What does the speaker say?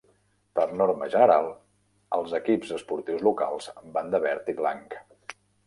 Per norma general, els equips esportius locals van de verd i blanc.